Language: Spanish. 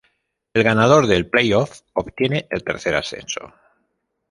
El ganador del play-off obtiene el tercer ascenso.